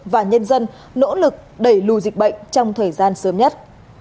và nhân dân nỗ lực đẩy lùi dịch bệnh trong thời gian sớm nhất